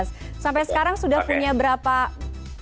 oke sampai sekarang sudah punya berapa anggota